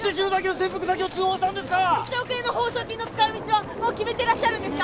１億円の報奨金の使い道はもう決めてらっしゃるんですか？